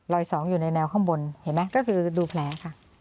สองอยู่ในแนวข้างบนเห็นไหมก็คือดูแผลค่ะ